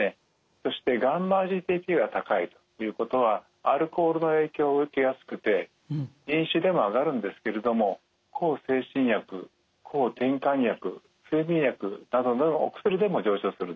そしてγ−ＧＴＰが高いということはアルコールの影響を受けやすくて飲酒でも上がるんですけれども向精神薬抗てんかん薬睡眠薬などのお薬でも上昇するんですね。